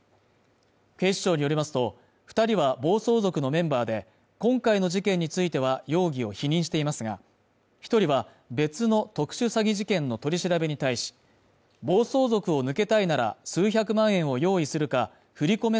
警視庁によりますと二人は暴走族のメンバーで今回の事件については容疑を否認していますが一人は別の特殊詐欺事件の取り調べに対し暴走族を抜けたいなら数百万円を用意するか振り込め